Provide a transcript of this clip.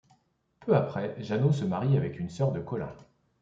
Peu après, Jeannot se marie avec une sœur de Colin.